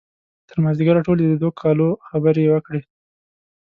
تر مازدیګر ټولې د دوه کالو خبرې یې وکړې.